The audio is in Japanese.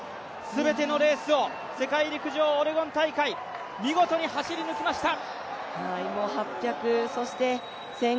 全てのレースを世界陸上オレゴン大会見事に走り抜きました！